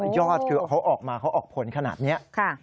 ยอดคือเขาออกมาเขาออกผลขนาดนี้